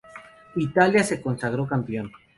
Italia se consagró campeón.